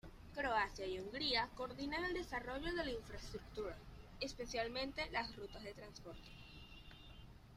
Croacia y Hungría coordinan el desarrollo de la infraestructura, especialmente las rutas de transporte.